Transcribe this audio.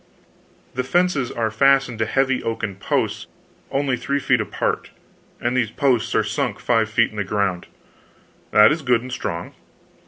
"The fences are fastened to heavy oaken posts only three feet apart, and these posts are sunk five feet in the ground." "That is good and strong."